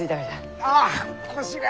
あっ腰が！